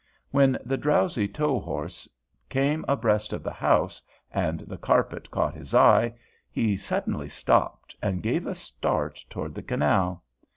When the drowsy tow horse came abreast of the house, and the carpet caught his eye, he suddenly stopped and gave a start toward the canal.